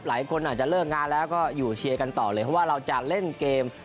หลายคนอาจจะเลิกงานแล้วก็อยู่เชียร์กันต่อเลยเพราะว่าเราจะเล่นเกม